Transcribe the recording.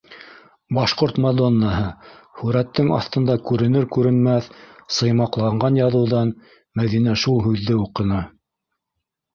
«Башҡорт мадоннаһы» — һүрәттең аҫтында күренер-күренмәҫ сыймаҡланған яҙыуҙан Мәҙинә шул һүҙҙе уҡыны.